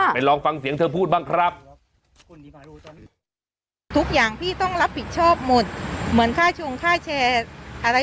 ลองฟังเสียงเธอพูดบ้างครับ